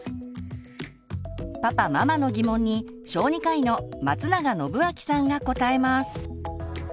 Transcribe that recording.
パパママの疑問に小児科医の松永展明さんが答えます。